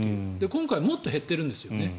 今回もっと減ってるんですよね。